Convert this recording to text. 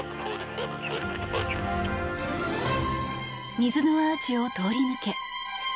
水のアーチを通り抜け